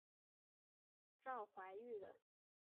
赵怀玉人。